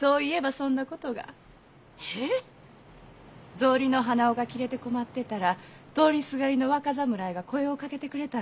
草履の鼻緒が切れて困ってたら通りすがりの若侍が声をかけてくれたんです。